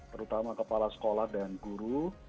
terutama kepala sekolah dan guru